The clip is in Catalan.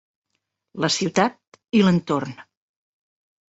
La ciutat i l'entorn.